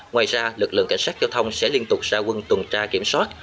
ngoài ra lực lượng cảnh sát giao thông sẽ liên tục ra quân tuần tra kiểm soát